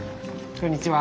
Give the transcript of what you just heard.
こんにちは。